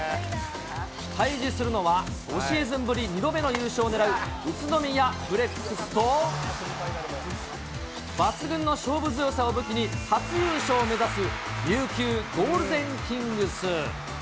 対じするのは、５シーズンぶり２度目の優勝をねらう宇都宮ブレックスと、抜群の勝負強さを武器に、初優勝を目指す琉球ゴールデンキングス。